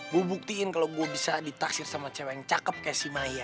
gue buktiin kalau gue bisa ditaksir sama cewek yang cakep kayak si maya